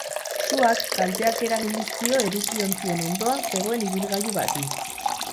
Suak kalteak eragin dizkio edukiontzien ondoan zegoen ibilgailu bati.